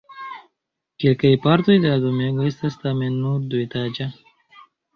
Kelkaj partoj de la domego estas tamen nur duetaĝa.